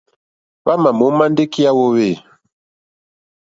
Hwámà mǒmá ndí èkí yá hwōhwê.